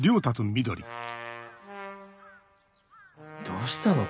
どうしたの？